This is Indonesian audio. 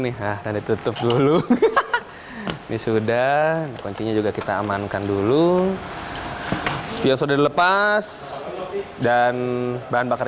nih ah ditutup dulu ini sudah kuncinya juga kita amankan dulu sudah lepas dan bahan bakar